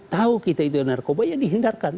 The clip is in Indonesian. tahu kita itu narkoba ya dihindarkan